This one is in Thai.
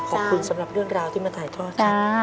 ขอบคุณสำหรับเรื่องราวที่มาถ่ายทอดกัน